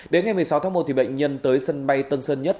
đến ngày một mươi sáu tháng một bệnh nhân tới sân bay tân sơn nhất